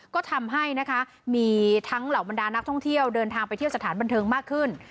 ก็ทำให้นะคะมีทั้งเหล่าบรรดานักท่องเที่ยวเดินทางไปเที่ยวสถานบันเทิงมากขึ้น